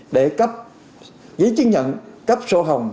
để cấp giấy chứng nhận cấp sổ hồng